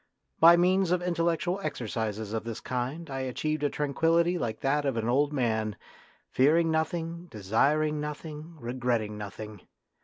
By means of intellectual exercises of this kind I achieved a tranquillity like that of an old man, fearing nothing, desiring nothing, regretting nothing.